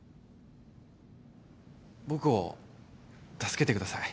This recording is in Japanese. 僕を助けてください